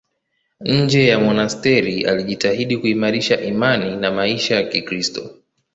Nje ya monasteri alijitahidi kuimarisha imani na maisha ya Kikristo.